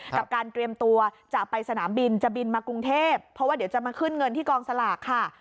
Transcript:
กับการเตรียมตัวจะไปสนามบินจะบินมากรุงเทพเพราะว่าเดี๋ยวจะมาขึ้นเงินที่กองสลากค่ะ